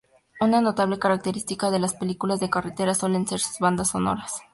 Una notable característica de las películas de carretera suelen ser sus bandas sonoras.